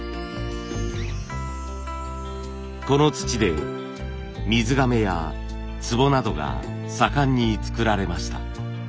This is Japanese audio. この土で水がめやつぼなどが盛んに作られました。